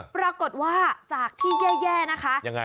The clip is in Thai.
ปรากฏว่าจากที่แย่นะคะยังไง